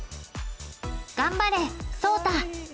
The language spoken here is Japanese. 頑張れ、聡太。